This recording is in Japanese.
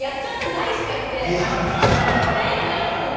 返しが来てあなたもねってなりますもんね。